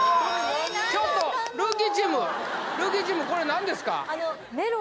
ちょっとルーキーチームルーキーチームこれ何ですか？